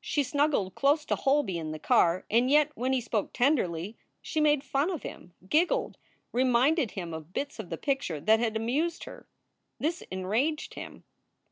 She snuggled close to Holby in the car, and yet when he spoke tenderly she made fun of him, giggled, reminded him of bits of the picture that had amused her. This enraged him.